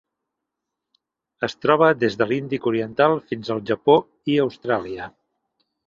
Es troba des de l'Índic oriental fins al Japó i Austràlia.